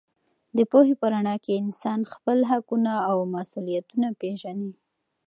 د پوهې په رڼا کې انسان خپل حقونه او مسوولیتونه پېژني.